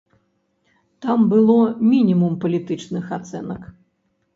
Там было мінімум палітычных ацэнак.